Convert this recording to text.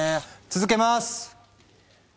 続けます。